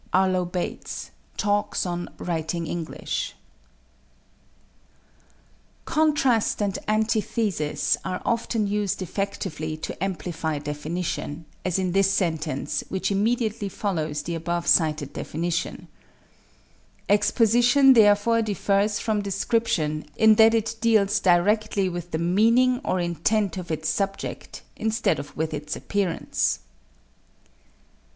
ARLO BATES, Talks on Writing English. =Contrast and Antithesis= are often used effectively to amplify definition, as in this sentence, which immediately follows the above cited definition: Exposition therefore differs from Description in that it deals directly with the meaning or intent of its subject instead of with its appearance.